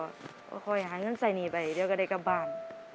ก็คอยหาเงินใส่หนี้ไปเดี๋ยวก็ได้กลับบ้าน